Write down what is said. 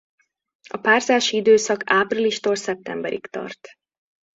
A párzási időszak áprilistól szeptemberig tart.